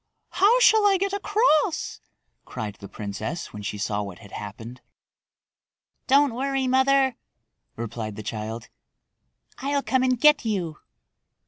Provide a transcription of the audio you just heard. "How shall I get across?" cried the princess when she saw what had happened. "Don't worry, mother," replied the child. "I'll come and get you."